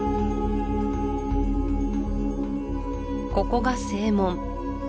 ここが正門